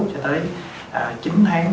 cho tới chín tháng